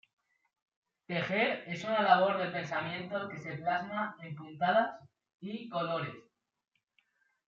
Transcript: Tejer es una labor del pensamiento que se plasma en puntadas y colo-res.